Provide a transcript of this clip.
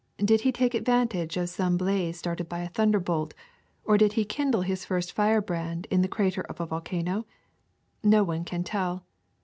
Did he take advantage of some blaze started by a thunderbolt, or did he kindle his first firebrand in the crater of a volcano? No one can tell.